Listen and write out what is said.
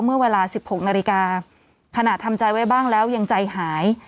เมื่อเวลา๑๖นาฬิกาขณะทำใจไว้บ้างแล้วยังใจหาย